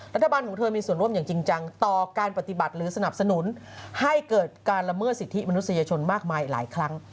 รัฐบาลของเธอมีส่วนร่วมอย่างจริงจังต่อการปฏิบัติหรือสนับสนุนให้เกิดการละเมิดสิทธิมนุษยชนมากมายหลายครั้ง